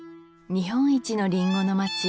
日本一のりんごの町